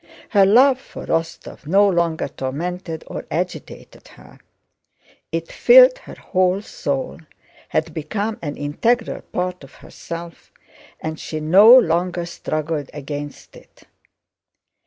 Her love for Rostóv no longer tormented or agitated her. It filled her whole soul, had become an integral part of herself, and she no longer struggled against it.